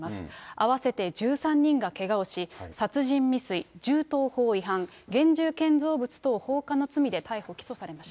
合わせて１３人がけがをし、殺人未遂、銃刀法違反、現住建造物等放火の罪で逮捕・起訴されました。